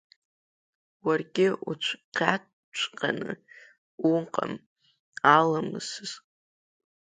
Уаргьы уцқьаҵәҟьаны уҟам аламысаз.